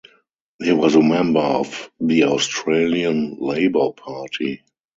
He was a member of the Australian Labor Party.